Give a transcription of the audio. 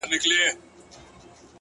دا راته مه وايه چي تا نه منم دى نه منم”